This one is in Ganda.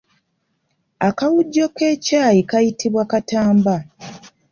Akawujjo k’ekyayi kayitibwa Katamba.